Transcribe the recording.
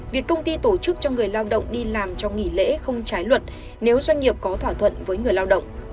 việc công ty tổ chức cho người lao động đi làm trong nghỉ lễ không trái luật nếu doanh nghiệp có thỏa thuận với người lao động